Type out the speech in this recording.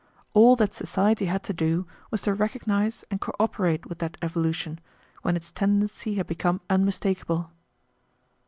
All that society had to do was to recognize and cooperate with that evolution, when its tendency had become unmistakable."